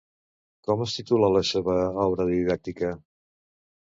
Com es titula la seva obra didàctica?